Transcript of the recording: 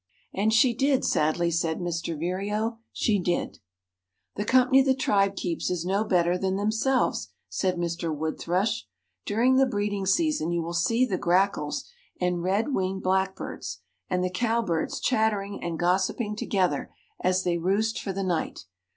"And she did," sadly said Mr. Vireo, "she did." "The company the tribe keeps is no better than themselves," said Mr. Wood Thrush. "During the breeding season you will see the grackles, and red winged blackbirds, and the cowbirds chattering and gossipping together, as they roost for the night.